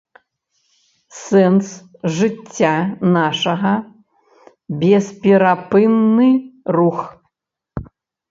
Сэнс жыцця нашага ‒ бесперапынны рух